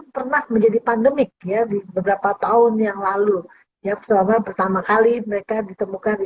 pernah menjadi pandemik beberapa tahun yang lalu pertama kali mereka ditemukan di